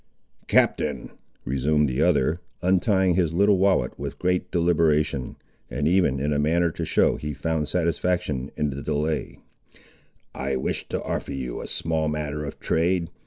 "Captain," resumed the other, untying his little wallet with great deliberation, and even in a manner to show he found satisfaction in the delay, "I wish to offer you a small matter of trade.